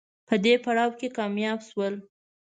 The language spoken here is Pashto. په دې پړاو کې کامیاب شول